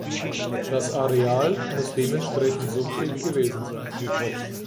Das Areal muss dementsprechend sumpfig gewesen sein.